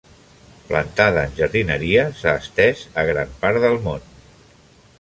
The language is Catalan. Plantada en jardineria, s'ha estès a gran part del món.